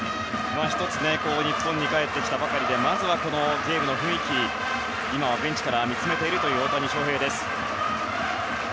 日本に帰ってきたばかりでまずゲームの雰囲気を今はベンチから見つめている大谷翔平です。